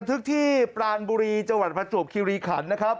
ทึกที่ปรานบุรีจังหวัดประจวบคิริขันนะครับ